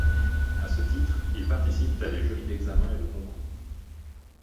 A ce titre, ils participent à des jurys d'examen et de concours.